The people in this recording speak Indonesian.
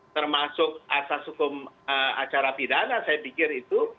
termasuk asas hukum acara pidana saya pikir itu